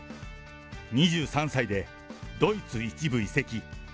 ２３歳でドイツ１部移籍。